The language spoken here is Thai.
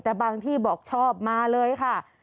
แต่บางที่บอกชอบมาเลยค่ะ